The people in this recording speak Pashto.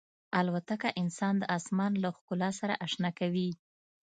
الوتکه انسان د آسمان له ښکلا سره اشنا کوي.